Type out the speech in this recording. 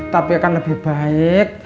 tapi akan lebih baik